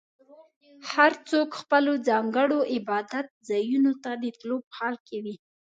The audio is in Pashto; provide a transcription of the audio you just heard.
هر څوک خپلو ځانګړو عبادت ځایونو ته د تلو په حال کې وي.